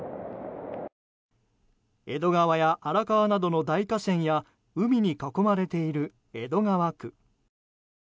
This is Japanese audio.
江戸川や荒川などの大河川や海に囲まれている江戸川区。